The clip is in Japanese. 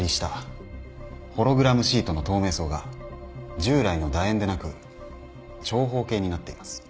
ホログラムシートの透明層が従来の楕円でなく長方形になっています。